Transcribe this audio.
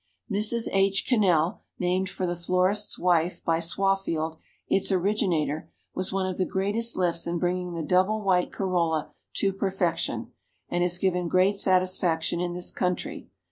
Mrs. H. Cannell, named for the florist's wife by Swaffield, its originator, "was one of the greatest lifts in bringing the double white corolla to perfection," and has given great satisfaction in this country.